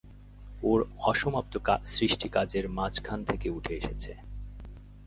ওর অসমাপ্ত সৃষ্টিকাজের মাঝখান থেকে উঠে এসেছে।